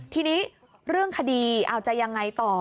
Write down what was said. ทีนี้เรื่องคดีอาจจะยังไงต่อ